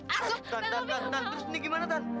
asuk tanda tanda tanda terus ini gimana tan